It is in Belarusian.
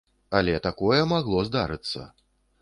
Але такое магло здарыцца.